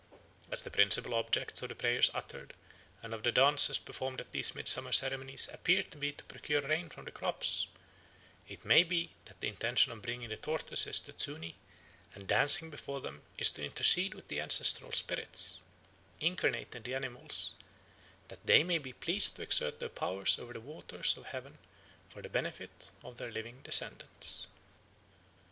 As the principal object of the prayers uttered and of the dances performed at these midsummer ceremonies appears to be to procure rain for the crops, it may be that the intention of bringing the tortoises to Zuni and dancing before them is to intercede with the ancestral spirit, incarnate in the animals, that they may be pleased to exert their power over the waters of heaven for the benefit of their living descendants.